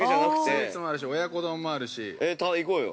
◆スイーツもあるし、親子丼もあるし◆行こうよ。